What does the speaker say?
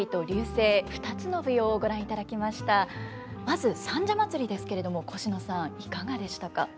まず「三社祭」ですけれどもコシノさんいかがでしたか？